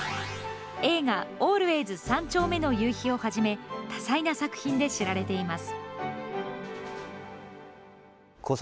映画、ＡＬＷＡＹＳ三丁目の夕日をはじめ多彩な作品で知られています。